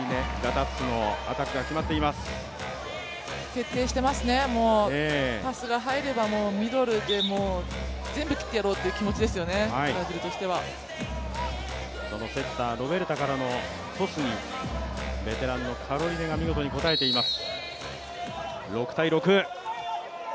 徹底してますねパスが入ればミドルで全部切ってやろうという気持ちですよね、ブラジルとしてはそのセッター、ロベルタからのトスにベテランのカロリネが見事に応えています。